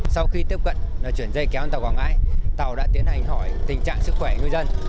sau khi tiếp cận chuyển dây kéo tàu quảng ngãi tàu đã tiến hành hỏi tình trạng sức khỏe ngư dân